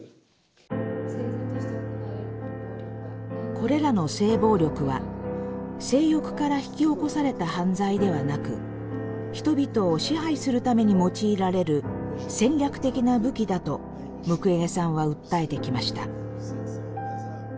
これらの性暴力は性欲から引き起こされた犯罪ではなく人々を支配するために用いられる戦略的な武器だとムクウェゲさんは訴えてきました。